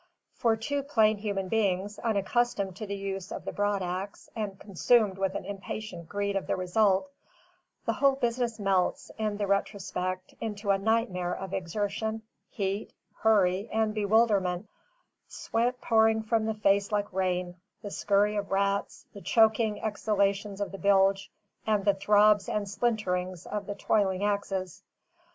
For two plain human beings, unaccustomed to the use of the broad axe and consumed with an impatient greed of the result, the whole business melts, in the retrospect, into a nightmare of exertion, heat, hurry, and bewilderment; sweat pouring from the face like rain, the scurry of rats, the choking exhalations of the bilge, and the throbs and splinterings of the toiling axes.